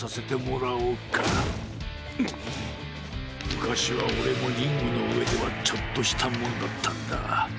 むかしはオレもリングのうえではちょっとしたもんだったんだ。